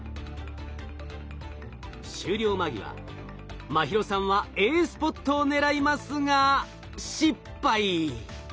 終了間際茉尋さんはＡスポットを狙いますが失敗。